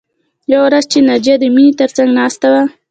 یوه ورځ چې ناجیه د مینې تر څنګ ناسته وه